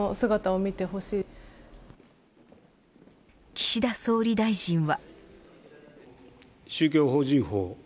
岸田総理大臣は。